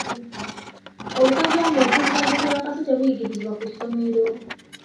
Obukozi bw’omuntu butandikira waka sso tebuyigirizibwa ku ssomero.